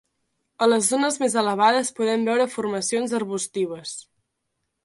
A les zones més elevades podem veure formacions arbustives.